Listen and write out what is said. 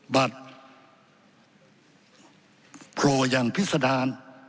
บัตรโผล่อย่างพิษดาร